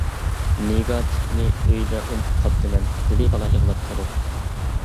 - نېگاتىپنى ئۆيدە ئۇنتۇپ قاپتىمەن، - دېدى بالا يىغلاپ تۇرۇپ.